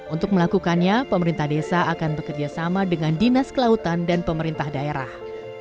untuk melakukannya pemerintah desa akan bekerjasama dengan dinas kelautan dan pemerintah daerah